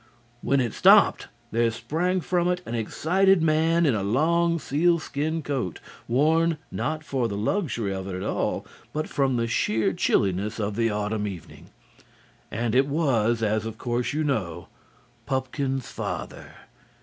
When it stopped there sprang from it an excited man in a long sealskin coat worn not for the luxury of it at all but from the sheer chilliness of the autumn evening. And it was, as of course you know, Pupkin's father.